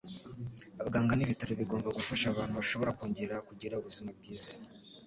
Abaganga nibitaro bigomba gufasha abantu bashobora kongera kugira ubuzima bwiza.